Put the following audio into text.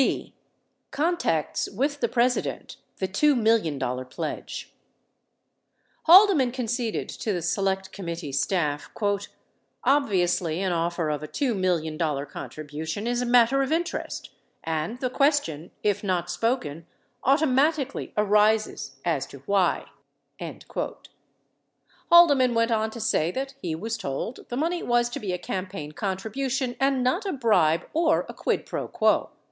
B. Contacts With the President — the $2 Million Pledge Haldeman conceded to the Select Committee staff: "bviously an offer of a $2 million contribution is a matter of interest ... And the question, if not spoken, automatically arises as to why." 45 Haldeman went on to say that he was told the money was to be a campaign con tribution and not a bribe or a quid pro quo.